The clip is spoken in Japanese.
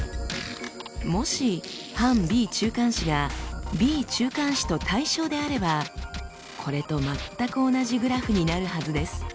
もし反Ｂ中間子がＢ中間子と対称であればこれと全く同じグラフになるはずです。